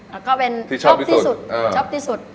แล้วก็เป็นชอบที่สุด